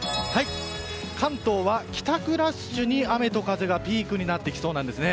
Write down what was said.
関東は帰宅ラッシュに雨と風がピークになってきそうです。